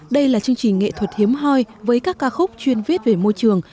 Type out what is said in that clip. đây là chương trình nghệ thuật hiếm hoi với các ca khúc chuyên viết về môi trường